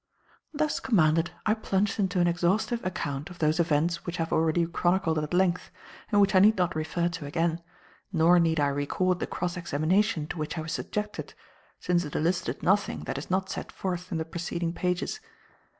Thus commanded, I plunged into an exhaustive account of those events which I have already chronicled at length and which I need not refer to again, nor need I record the cross examination to which I was subjected, since it elicited nothing that is not set forth in the preceding pages.